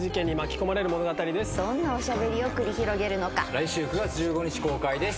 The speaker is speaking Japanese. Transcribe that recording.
来週９月１５日公開です。